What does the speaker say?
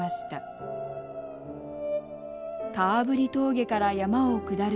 顔振峠から山を下る